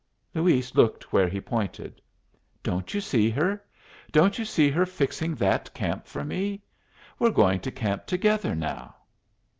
Luis looked where he pointed. "Don't you see her? Don't you see her fixing that camp for me? We're going to camp together now."